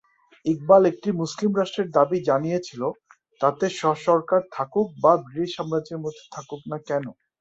ইকবাল একটি মুসলিম রাষ্ট্রের দাবি জানিয়েছিল, তাতে স্ব-সরকার থাকুক বা ব্রিটিশ সাম্রাজ্যের মধ্যে থাকুক না কেন।